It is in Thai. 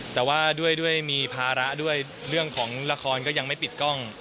แต่ว่าด้วยมีภาระด้วยเรื่องของละครก็ยังไม่ปิดกล้อง